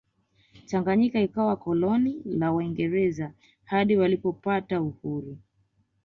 tanganyika ikawa koloni la waingereza hadi walipopata uhuru